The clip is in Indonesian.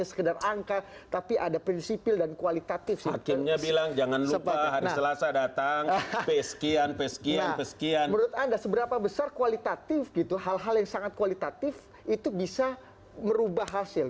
menurut anda seberapa besar kualitatif gitu hal hal yang sangat kualitatif itu bisa merubah hasil